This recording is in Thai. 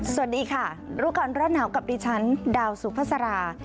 สวัสดีค่ะรุกรรณร่านเหนากับดิฉันดาวสุพศรา